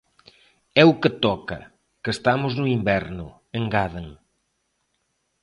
É o que toca, que estamos no inverno, engaden.